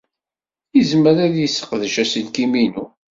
Yezmer ad yesseqdec aselkim-inu.